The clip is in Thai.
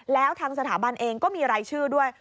แล้วทางสถาบันเองก็มีรายชื่อด้วย